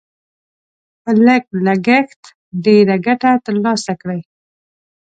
په لږ لګښت ډېره ګټه تر لاسه کړئ.